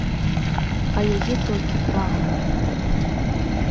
А яе толькі прагнуў.